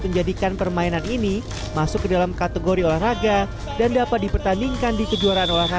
menjadikan permainan ini masuk ke dalam kategori olahraga dan dapat dipertandingkan di kejuaraan